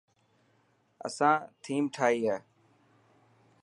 اسان ٿيم ٺائي تي.